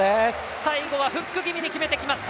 最後はフック気味に決めてきました！